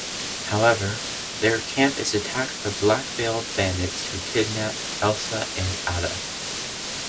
However, their camp is attacked by black-veiled bandits who kidnap Elsa and Ada.